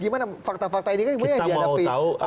gimana fakta fakta ini kemudian yang dihadapi oleh masyarakat